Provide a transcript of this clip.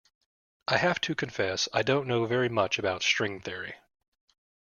I have to confess I don't know very much about string theory.